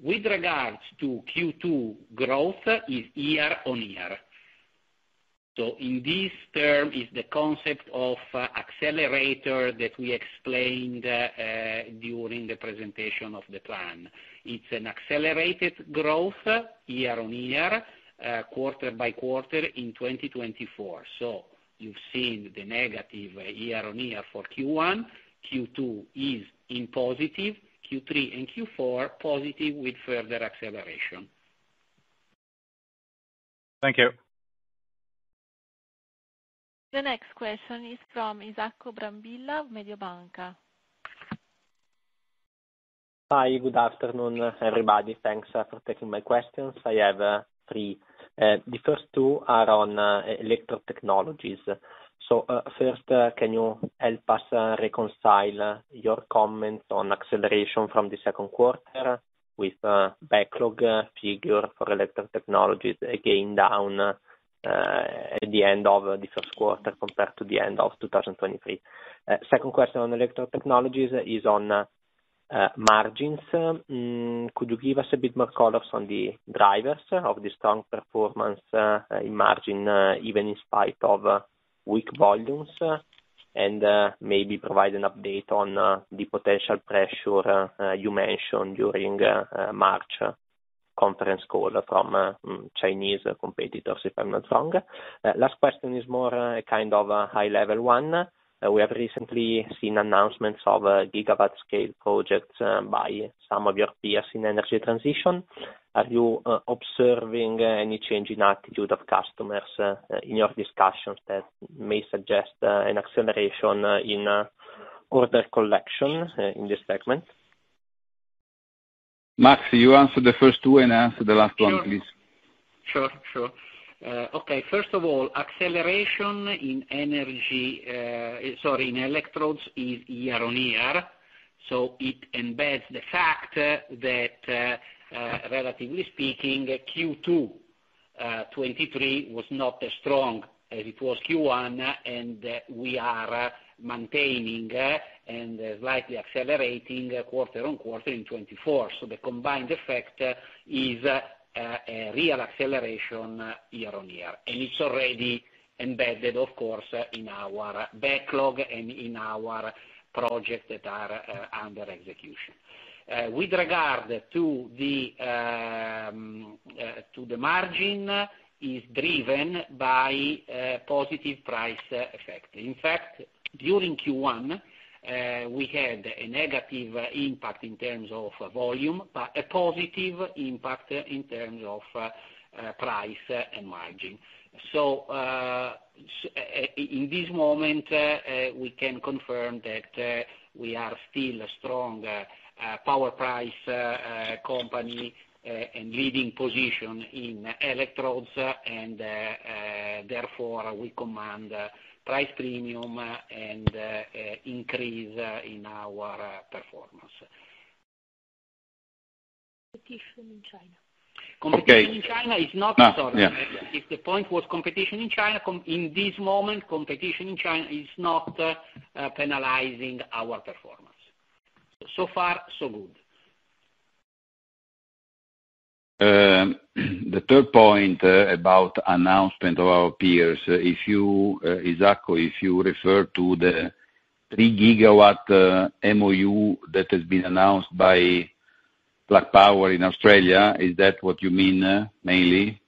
With regards to Q2, growth is year-on-year. So in this term, it's the concept of accelerator that we explained during the presentation of the plan. It's an accelerated growth year-on-year, quarter by quarter in 2024. So you've seen the negative year-on-year for Q1. Q2 is in positive. Q3 and Q4 positive with further acceleration. Thank you. The next question is from Isacco Brambilla, Mediobanca. Hi. Good afternoon, everybody. Thanks for taking my questions. I have three. The first two are on electrode technologies. So first, can you help us reconcile your comments on acceleration from the second quarter with backlog figure for electrode technologies again down at the end of the first quarter compared to the end of 2023? Second question on electrode technologies is on margins. Could you give us a bit more color on the drivers of the strong performance in margins even in spite of weak volumes? And maybe provide an update on the potential pressure you mentioned during March conference call from Chinese competitors, if I'm not wrong. Last question is more a kind of high-level one. We have recently seen announcements of gigawatt-scale projects by some of your peers in energy transition. Are you observing any change in attitude of customers in your discussions that may suggest an acceleration in order collection in this segment? Max, you answer the first two and I answer the last one, please. Sure. Sure. Sure. Okay. First of all, acceleration in energy sorry, in electrodes is year-on-year. So it embeds the fact that, relatively speaking, Q2 2023 was not as strong as it was Q1, and we are maintaining and slightly accelerating quarter-on-quarter in 2024. So the combined effect is a real acceleration year-on-year. And it's already embedded, of course, in our backlog and in our projects that are under execution. With regard to the margin, it's driven by positive price effect. In fact, during Q1, we had a negative impact in terms of volume but a positive impact in terms of price and margin. So in this moment, we can confirm that we are still a strong power price company and leading position in electrodes, and therefore, we command price premium and increase in our performance. Competition in China. Competition in China is not sorry. If the point was competition in China, in this moment, competition in China is not penalizing our performance. So far, so good. The third point about announcement of our peers, Isacco, if you refer to the 3 GW MOU that has been announced by Plug Power in Australia, is that what you mean mainly?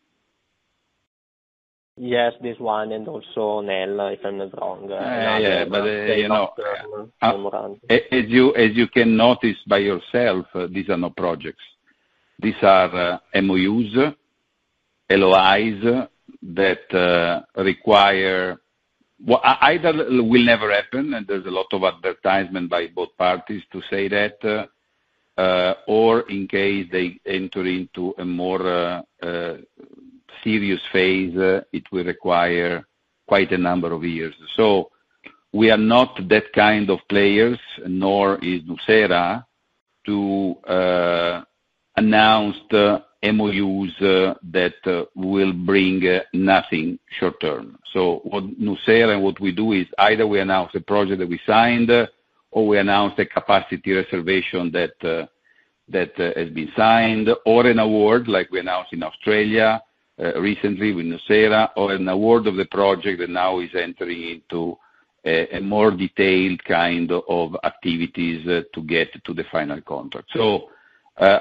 Yes, this one. And also Nel, if I'm not wrong. Yeah, yeah, yeah. But as you can notice by yourself, these are no projects. These are MOUs, LOIs that either will never happen, and there's a lot of advertisement by both parties to say that, or in case they enter into a more serious phase, it will require quite a number of years. So we are not that kind of players, nor is nucera, to announce MOUs that will bring nothing short term. So what nucera and what we do is either we announce a project that we signed or we announce a capacity reservation that has been signed, or an award, like we announced in Australia recently with nucera, or an award of the project that now is entering into a more detailed kind of activities to get to the final contract. So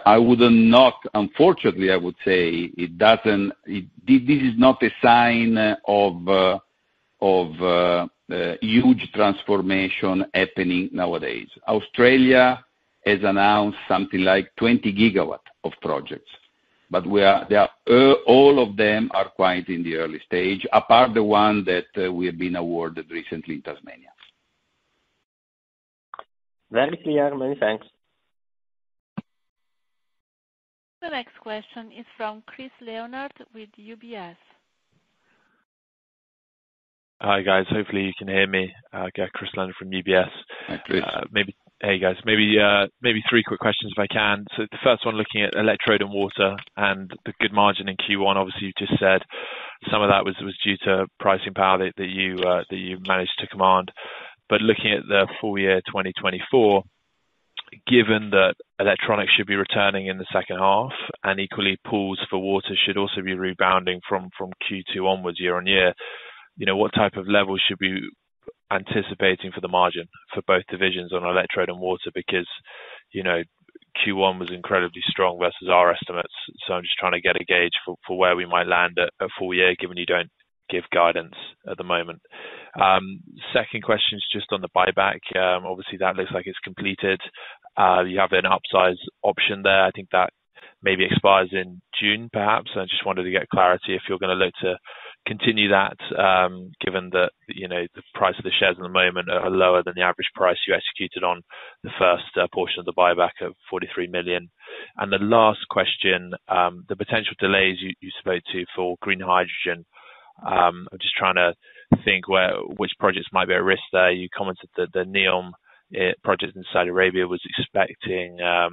unfortunately, I would say this is not a sign of huge transformation happening nowadays. Australia has announced something like 20 GW of projects, but all of them are quite in the early stage, apart from the one that we have been awarded recently in Tasmania. Very clear. Many thanks. The next question is from Chris Leonard with UBS. Hi, guys. Hopefully, you can hear me. I am Chris Leonard from UBS. Hi, Chris. Hey, guys. Maybe three quick questions if I can. So the first one, looking at electrode and water and the good margin in Q1, obviously, you've just said some of that was due to pricing power that you managed to command. But looking at the full year 2024, given that electronics should be returning in the second half and equally pools for water should also be rebounding from Q2 onwards, year-on-year, what type of levels should we be anticipating for the margin for both divisions on electrode and water? Because Q1 was incredibly strong versus our estimates, so I'm just trying to get a gauge for where we might land at full year, given you don't give guidance at the moment. Second question is just on the buyback. Obviously, that looks like it's completed. You have an upsize option there. I think that maybe expires in June, perhaps. I just wanted to get clarity if you're going to look to continue that, given that the price of the shares at the moment are lower than the average price you executed on the first portion of the buyback of 43 million. And the last question, the potential delays you spoke to for green hydrogen. I'm just trying to think which projects might be at risk there. You commented that the NEOM project in Saudi Arabia was expecting to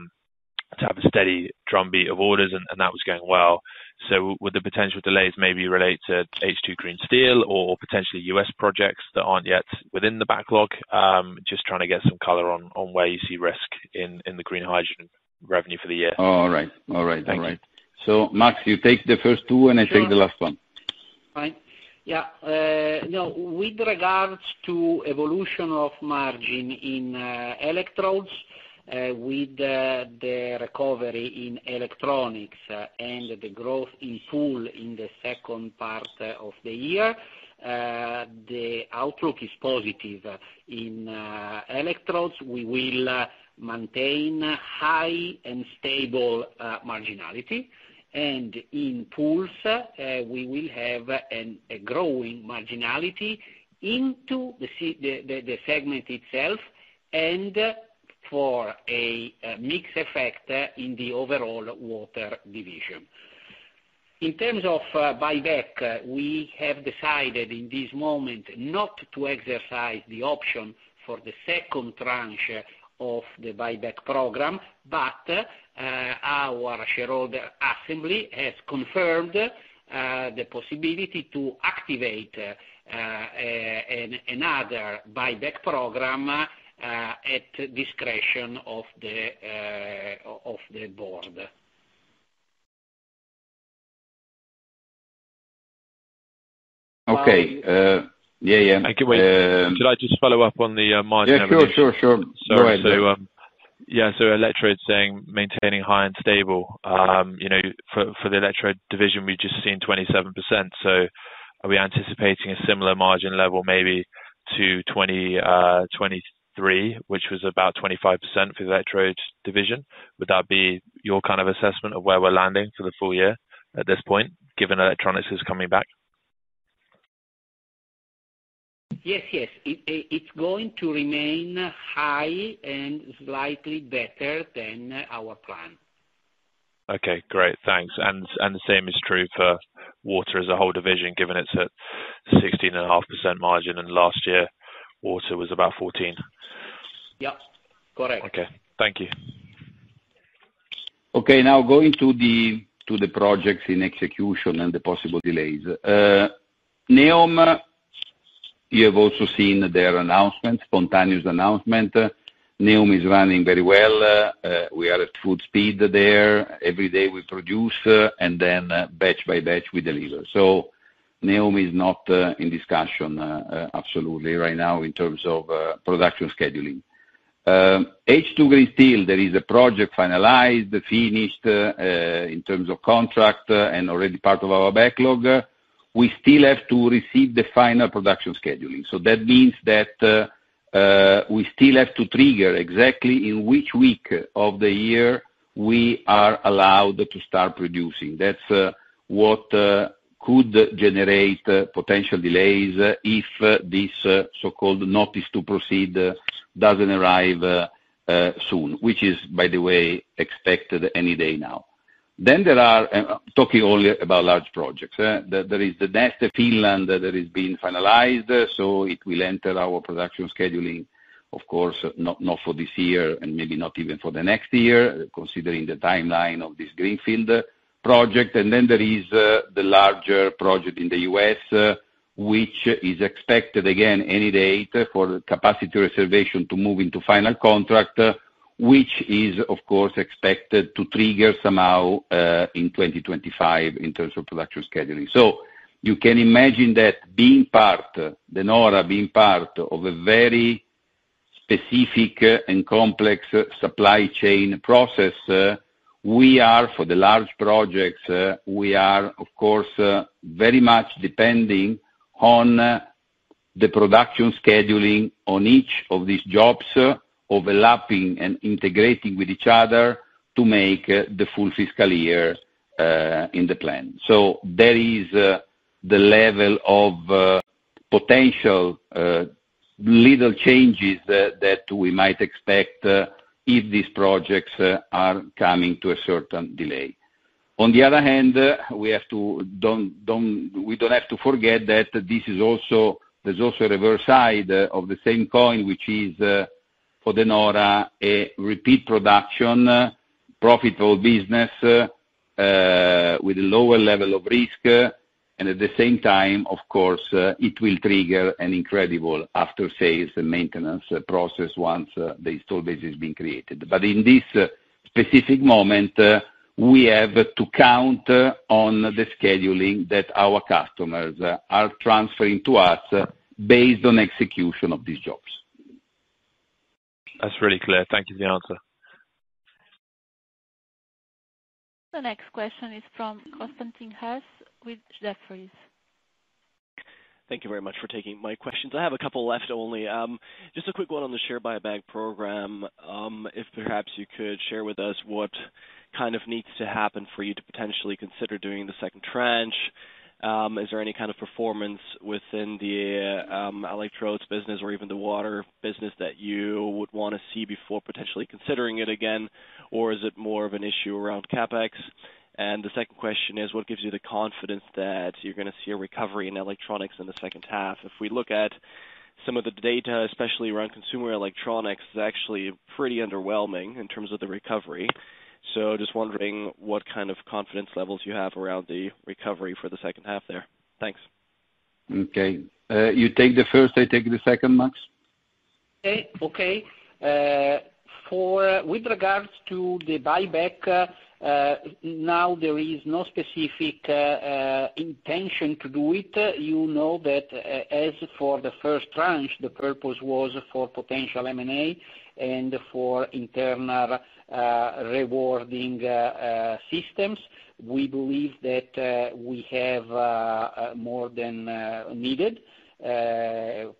have a steady drumbeat of orders, and that was going well. So would the potential delays maybe relate to H2 Green Steel or potentially U.S. projects that aren't yet within the backlog? Just trying to get some color on where you see risk in the green hydrogen revenue for the year. All right. All right. All right. So, Max, you take the first two, and I take the last one. Fine. Yeah. No, with regards to evolution of margin in electrodes with the recovery in electronics and the growth in pools in the second part of the year, the outlook is positive. In electrodes, we will maintain high and stable marginality. And in pools, we will have a growing marginality into the segment itself and for a mix effect in the overall water division. In terms of buyback, we have decided in this moment not to exercise the option for the second tranche of the buyback program, but our shareholder assembly has confirmed the possibility to activate another buyback program at discretion of the board. <crosstalk> Okay. Yeah, yeah. I can wait. Could I just follow up on the margin average? Yeah. Sure, sure, sure. Go ahead. Yeah. So you're saying maintaining high and stable. For the electrode division, we've just seen 27%. So are we anticipating a similar margin level maybe to 2023, which was about 25% for the electrode division? Would that be your kind of assessment of where we're landing for the full year at this point, given electrolyzers is coming back? Yes, yes. It's going to remain high and slightly better than our plan. Okay. Great. Thanks. The same is true for water as a whole division, given it's at 16.5% margin, and last year, water was about 14%. Yep. Correct. Okay. Thank you. Okay. Now, going to the projects in execution and the possible delays. NEOM, you have also seen their spontaneous announcement. NEOM is running very well. We are at full speed there. Every day, we produce, and then batch by batch, we deliver. So NEOM is not in discussion, absolutely, right now in terms of production scheduling. H2 Green Steel, there is a project finalized, finished in terms of contract and already part of our backlog. We still have to receive the final production scheduling. So that means that we still have to trigger exactly in which week of the year we are allowed to start producing. That's what could generate potential delays if this so-called notice to proceed doesn't arrive soon, which is, by the way, expected any day now. Then we're talking only about large projects. There is the Neste Finland that has been finalized, so it will enter our production scheduling, of course, not for this year and maybe not even for the next year, considering the timeline of this greenfield project. And then there is the larger project in the U.S., which is expected, again, any day for capacity reservation to move into final contract, which is, of course, expected to trigger somehow in 2025 in terms of production scheduling. So you can imagine that De Nora, being part of a very specific and complex supply chain process, for the large projects, we are, of course, very much depending on the production scheduling on each of these jobs, overlapping and integrating with each other to make the full fiscal year in the plan. So there is the level of potential little changes that we might expect if these projects are coming to a certain delay. On the other hand, we don't have to forget that there's also a reverse side of the same coin, which is, for De Nora, a repeat production, profitable business with a lower level of risk. And at the same time, of course, it will trigger an incredible after-sales and maintenance process once the install base is being created. But in this specific moment, we have to count on the scheduling that our customers are transferring to us based on execution of these jobs. That's really clear. Thank you for the answer. The next question is from Constantin Hesse with Jefferies. Thank you very much for taking my questions. I have a couple left only. Just a quick one on the share buyback program. If perhaps you could share with us what kind of needs to happen for you to potentially consider doing the second tranche. Is there any kind of performance within the electrodes business or even the water business that you would want to see before potentially considering it again, or is it more of an issue around CapEx? And the second question is, what gives you the confidence that you're going to see a recovery in electronics in the second half? If we look at some of the data, especially around consumer electronics, it's actually pretty underwhelming in terms of the recovery. So just wondering what kind of confidence levels you have around the recovery for the second half there. Thanks. Okay. You take the first. I take the second, Max. Okay. Okay. With regards to the buyback, now there is no specific intention to do it. You know that as for the first tranche, the purpose was for potential M&A and for internal rewarding systems. We believe that we have more than needed,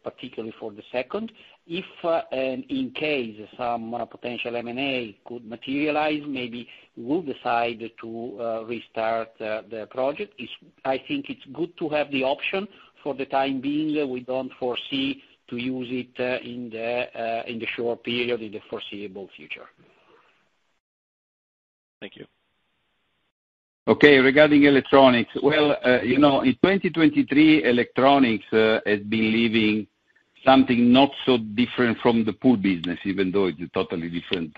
particularly for the second. If and in case some potential M&A could materialize, maybe we'll decide to restart the project. I think it's good to have the option. For the time being, we don't foresee to use it in the short period, in the foreseeable future. Thank you. Okay. Regarding electronics, well, in 2023, electronics has been leaving something not so different from the pool business, even though it's a totally different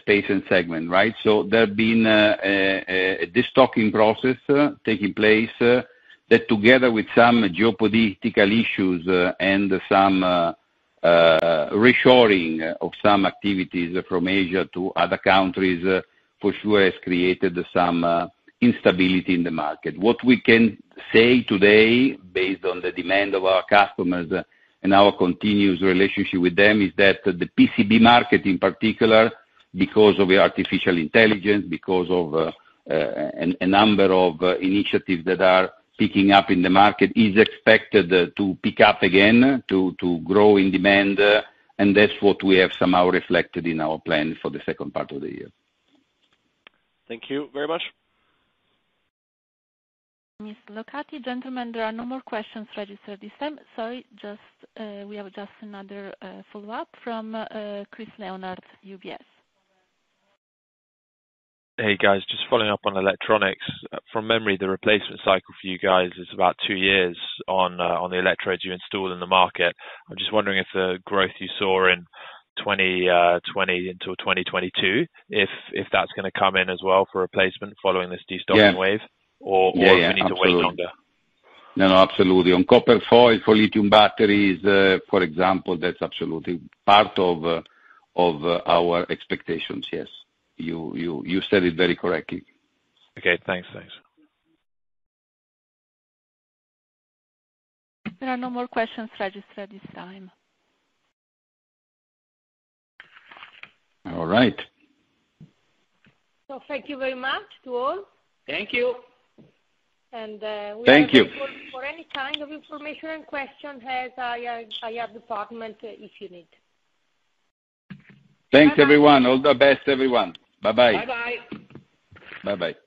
space and segment, right? So there's been a destocking process taking place that, together with some geopolitical issues and some reshoring of some activities from Asia to other countries, for sure has created some instability in the market. What we can say today, based on the demand of our customers and our continuous relationship with them, is that the PCB market, in particular, because of artificial intelligence, because of a number of initiatives that are picking up in the market, is expected to pick up again, to grow in demand. And that's what we have somehow reflected in our plan for the second part of the year. Thank you very much. Miss Locati, gentlemen, there are no more questions registered this time. Sorry. We have just another follow-up from Chris Leonard, UBS. Hey, guys. Just following up on electronics. From memory, the replacement cycle for you guys is about two years on the electrodes you install in the market. I'm just wondering if the growth you saw in 2020 until 2022, if that's going to come in as well for replacement following this distocking wave or if we need to wait longer. Yeah. Absolutely. No, no. Absolutely. On copper foil, for lithium batteries, for example, that's absolutely part of our expectations. Yes. You said it very correctly. Okay. Thanks. Thanks. There are no more questions registered this time. All right. So thank you very much to all. Thank you. And we are looking for any kind of information and question at IR department if you need. Thanks, everyone. All the best, everyone. Bye-bye. Bye-bye. Bye-bye.